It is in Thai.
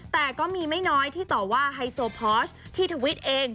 แต่ก็มีไม่น้อยที่ต่อว่าไฮโซพอชที่ทวิตเอง